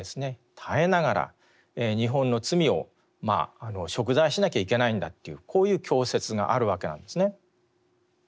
耐えながら日本の罪を贖罪しなきゃいけないんだというこういう教説があるわけなんですね。